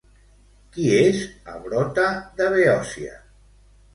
Qui és Abrota de Beòcia?